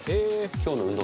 今日の運動